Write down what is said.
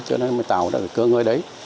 cho nên mới tạo ra cơ ngơi đấy